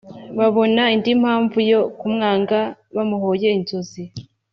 Babona indi mpamvu yo kumwanga bamuhoye inzozi